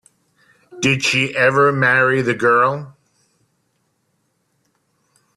Did she ever marry the girl?